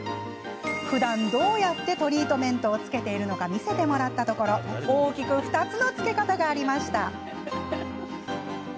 ふだん、どうやってトリートメントをつけているのか見せてもらったところ大きく２つのやり方がありました。